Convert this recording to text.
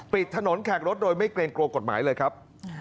ปิดถนนแขกรถโดยไม่เกรงกลัวกฎหมายเลยครับ